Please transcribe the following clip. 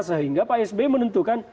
sehingga pak s b menentukan